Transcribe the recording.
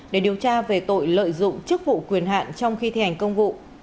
để điều tra về tội lợi dụng chức vụ quyền hạn trong khi thi hành công vụ